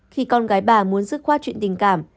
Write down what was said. khi con gái bà muốn dứt khoát chuyện tình cảm